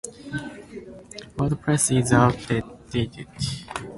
Wordpress is out dated.